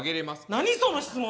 何その質問？